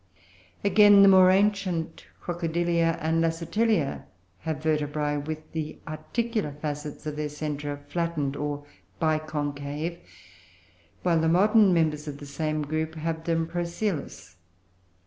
Again, the more ancient Crocodilia and Lacertilia have vertebrae with the articular facets of their centra flattened or biconcave, while the modern members of the same group have them procoelous.